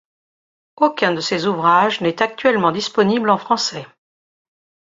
Aucun de ses ouvrages n'est actuellement disponible en français.